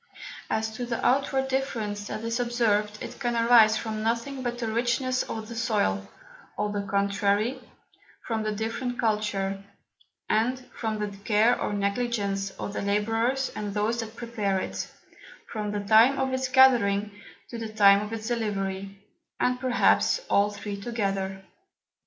As to the outward Difference that is observed, it can arise from nothing but the Richness of the Soil, or the contrary; from the different Culture, and from the Care or Negligence of the Labourers and those that prepare it, from the time of its gathering, to the time of its Delivery, and perhaps from all three together.